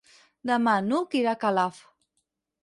Demà n'Hug irà a Calaf.